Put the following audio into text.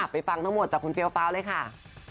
ไปฟังทั้งหมดจากคุณเฟียวฟ้าวเลยค่ะ